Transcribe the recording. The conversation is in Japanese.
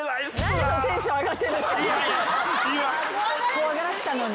怖がらせたのに。